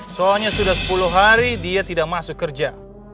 soalnya sudah sepuluh hari dia tidak masuk kerja